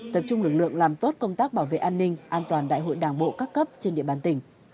tập trung lực lượng làm tốt công tác bảo vệ an ninh an toàn đại hội đảng bộ các cấp trên địa bàn tỉnh